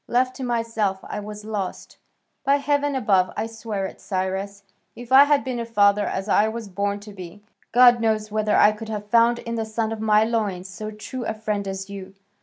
Left to myself I was lost. By heaven above, I swear it, Cyrus, if I had been a father as I was born to be, God knows whether I could have found in the son of my loins so true a friend as you.